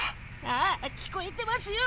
ああ聞こえてますよ。